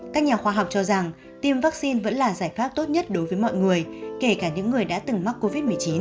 các nhà khoa học cho rằng tiêm vaccine vẫn là giải pháp tốt nhất đối với mọi người kể cả những người đã từng mắc covid một mươi chín